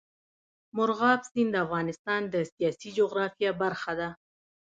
مورغاب سیند د افغانستان د سیاسي جغرافیه برخه ده.